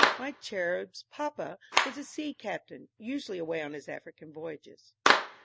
(My cherub's papa was a sea captain, usually away on his African voyages.)